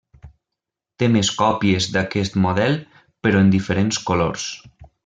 Té més còpies d’aquest model, però en diferents colors.